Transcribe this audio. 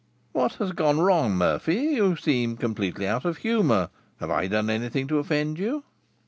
"What has gone wrong, Murphy? You seem completely out of humour. Have I done anything to offend you?"